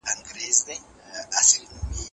په سیاست کي فزیکي ځواک ونه کارول سو.